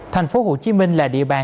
thành phố hồ chí minh là địa bàn